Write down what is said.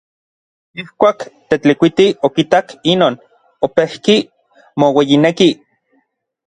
Ijkuak Tetlikuiti okitak inon, opejki moueyineki.